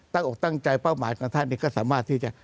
ตั้งอกตั้งใจเป้าหมายของท่านเป็นเรื่องที่สามารถที่จะ